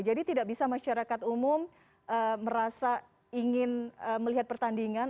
jadi tidak bisa masyarakat umum merasa ingin melihat pertandingan